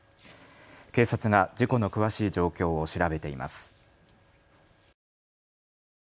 警察が事故の詳しい状況を調べています。